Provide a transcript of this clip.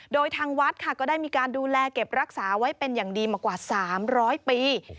โดยทางวัดค่ะก็ได้มีการดูแลเก็บรักษาไว้เป็นอย่างดีมากว่า๓๐๐ปี